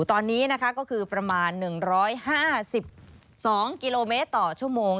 ตอนนี้นะคะก็คือประมาณ๑๕๒กิโลเมตรต่อชั่วโมง